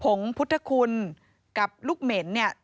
งพุทธคุณกับลูกเหม็นเนี่ย